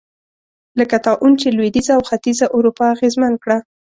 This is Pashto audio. لکه طاعون چې لوېدیځه او ختیځه اروپا اغېزمن کړه.